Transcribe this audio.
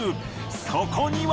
そこには。